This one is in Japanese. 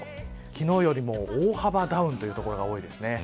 昨日よりも大幅ダウンという所が多いですね。